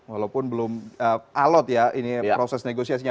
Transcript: walaupun belum alot ya ini proses negosiasinya